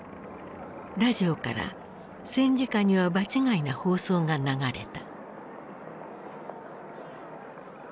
ラジオから戦時下には場違いな放送が流れた。